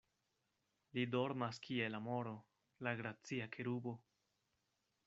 Li dormas kiel amoro, la gracia kerubo.